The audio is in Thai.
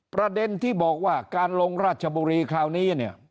ประเด็นที่บอกว่าการลงราชบุรีคราวนี้เนี่ย